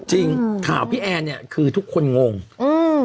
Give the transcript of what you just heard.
จริงข่าวพี่แอนเนี้ยคือทุกคนงงอืม